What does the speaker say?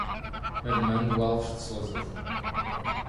Armando Alves de Souza